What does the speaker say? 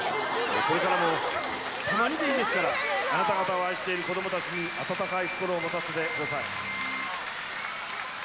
これからもたまにでいいですから、あなた方を愛している子どもたちに温かい心を持たせてください。